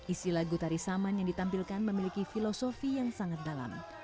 isi lagu tari saman yang ditampilkan memiliki filosofi yang sangat dalam